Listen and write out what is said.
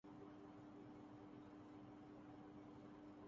ہمارا مزیدار قسم کا خمیر ہے۔